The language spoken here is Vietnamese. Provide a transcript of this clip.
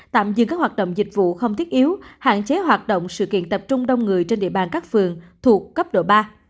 tạm dừng các hoạt động dịch vụ không thiết yếu hạn chế hoạt động sự kiện tập trung đông người trên địa bàn các phường thuộc cấp độ ba